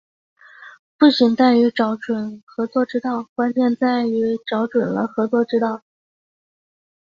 不仅在于找准合作之道，关键在于找准了合作之道